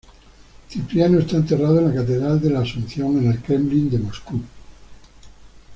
Cipriano está enterrado en la Catedral de la Asunción en el Kremlin de Moscú.